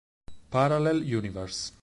Parallel Universe